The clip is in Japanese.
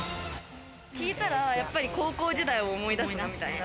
聞いたらやっぱり高校時代を思い出すなみたいな。